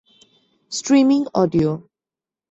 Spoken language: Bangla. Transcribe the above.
streaming audio